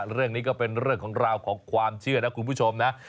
เรื่องนี้ก็เป็นเรื่องของราวของความเชื่อนะคุณผู้ชมนะ